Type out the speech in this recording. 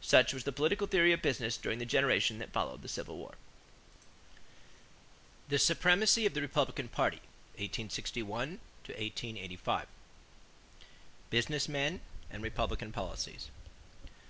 Such was the political theory of business during the generation that followed the Civil War. THE SUPREMACY OF THE REPUBLICAN PARTY (1861 85) =Business Men and Republican Policies.